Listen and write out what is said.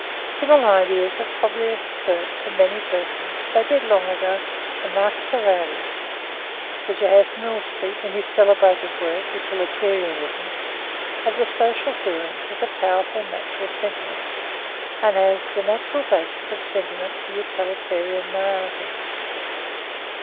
Similar ideas have probably occurred to many persons, as they did long ago to Marcus Aurelius. Mr. J.S. Mill speaks, in his celebrated work, 'Utilitarianism,' (1864, pp. 45, 46), of the social feelings as a "powerful natural sentiment," and as "the natural basis of sentiment for utilitarian morality."